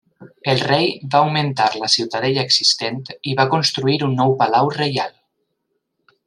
El rei va augmentar la ciutadella existent i va construir un nou palau reial.